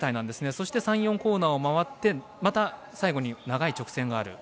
そして、３４コーナーを回ってまた最後に長い直線がある。